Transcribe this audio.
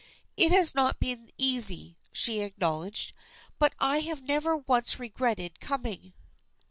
"It has not been easy," she acknowledged; "but I have never once regretted coming."